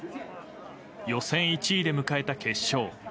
予選１位で迎えた決勝。